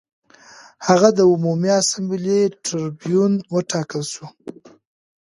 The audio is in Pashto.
هغه د عمومي اسامبلې ټربیون وټاکل شو